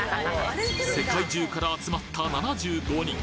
世界中から集まった７５人！